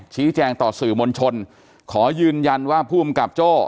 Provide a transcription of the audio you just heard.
ชี้แจงต่อสื่อมวลชนขอยืนยันว่าภูมิกับโจ้